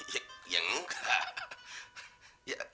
ya ya enggak